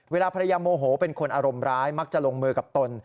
เวลาภรรยาโมโหเป็นคนอารมณ์ร้ายมักจะลงมือกับตน